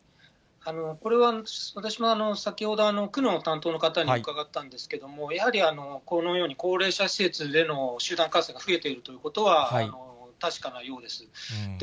これは私も先ほど、区の担当の方に伺ったんですけども、やはりこのように高齢者施設での集団感染が増えているということは確かなようです。